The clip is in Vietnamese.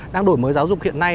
đang đổi mới giáo dục hiện nay